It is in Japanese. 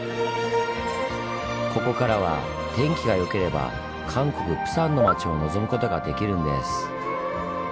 ここからは天気が良ければ韓国・プサンの町を望むことができるんです。